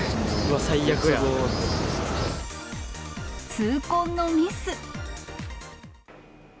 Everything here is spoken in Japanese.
痛恨のミス。